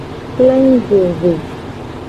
Plengugo ve.